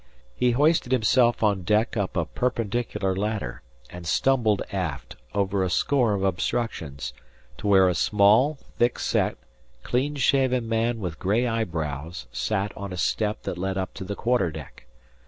He hoisted himself on deck up a perpendicular ladder, and stumbled aft, over a score of obstructions, to where a small, thick set, clean shaven man with gray eyebrows sat on a step that led up to the quarter deck.